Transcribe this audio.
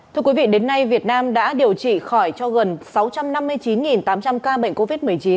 thưa quý vị đến nay việt nam đã điều trị khỏi cho gần sáu trăm năm mươi chín tám trăm linh ca bệnh covid một mươi chín